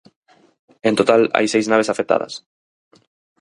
En total hai seis naves afectadas.